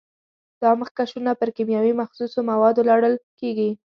دا مخکشونه پر کیمیاوي مخصوصو موادو لړل کېږي.